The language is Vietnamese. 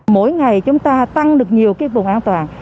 mỗi ngày chúng ta tăng được nhiều cái vùng an toàn